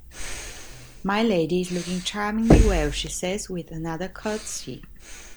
"My Lady is looking charmingly well," she says with another curtsy.